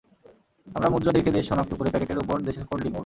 আমরা মুদ্রা দেখে দেশ শনাক্ত করে প্যাকেটের ওপর দেশের কোড লিখব।